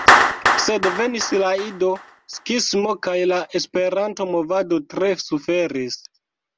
Sed venis la Ido-skismo, kaj la Esperanto-movado tre suferis.